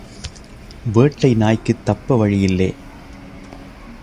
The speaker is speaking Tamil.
வேட்டை நாய்க்குத் தப்ப வழியில்லே.